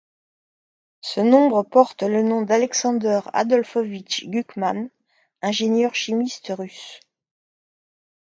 Ce nombre porte le nom de Alexander Adolfovich Gukhman, ingénieur chimiste russe.